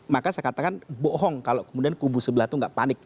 maka saya katakan bohong kalau kemudian kubu sebelah itu nggak panik